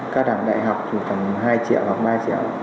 các đảng đại học thì tầm hai triệu hoặc ba triệu